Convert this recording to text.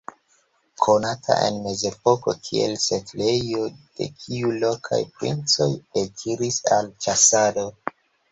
Konata en mezepoko kiel setlejo, de kiu lokaj princoj ekiris al ĉasado.